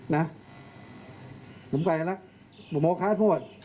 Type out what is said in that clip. นะผมไปแล้วนะผมโมงข้าสบวน